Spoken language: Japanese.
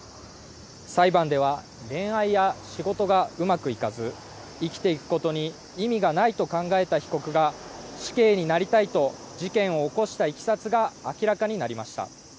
裁判では恋愛や仕事がうまくいかず、生きていくことに意味がないと考えた被告が死刑になりたいと事件を起こしたいきさつが明らかになりました。